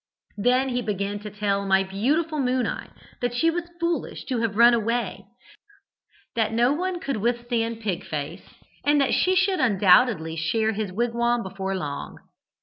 Then he began to tell my beautiful Moon eye that she was foolish to have run away, that no one could withstand Pig face, and that she should undoubtedly share his wigwam before long.